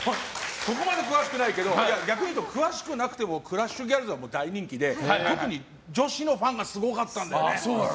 そこまで詳しくないけど逆に言うと詳しくなくてもクラッシュギャルズは大人気で特に女子のファンがすごかったんだよね。